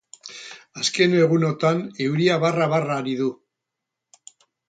Azken egunotan euria barra-barra ari du.